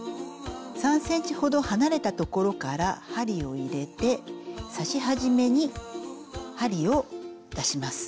３ｃｍほど離れた所から針を入れて刺し始めに針を出します。